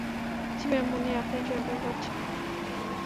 জ্বি ম্যাম, উনি আপনার জন্য অপেক্ষা করছেন।